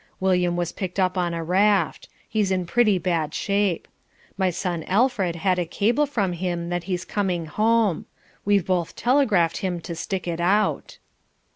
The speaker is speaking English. William was picked up on a raft. He's in pretty bad shape. My son Alfred had a cable from him that he's coming home. We've both telegraphed him to stick it out."